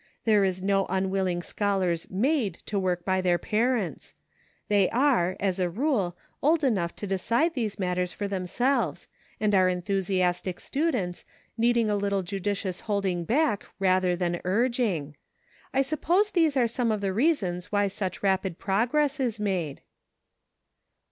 There are no unwilli:;g scholars made to work by their parents ; they are, as a rule, old enough to decide these matters for themselves ; and are enthusiastic students, needing a little judicious holding back rather than urging. I suppose these are some of the reasons why such rapid progress is made."